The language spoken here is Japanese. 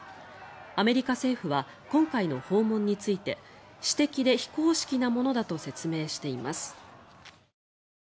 アメリカ政府は今回の訪問について私的で非公式なものだと説明しています。